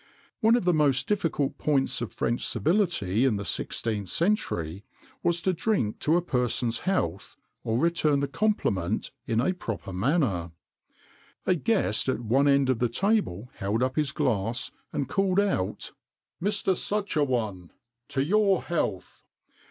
[XXIX 110] "One of the most difficult points of French civility in the 16th century was to drink to a person's health, or return the compliment in a proper manner.[XXIX 111] A guest at one end of the table held up his glass, and called out: 'Mr. Such a one, to your health!